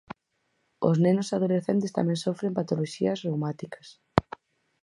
Os nenos e adolescentes tamén sofren patoloxías reumáticas.